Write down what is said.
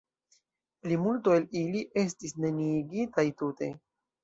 Plimulto el ili estis neniigitaj tute.